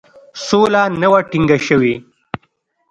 سوله نه وه ټینګه شوې.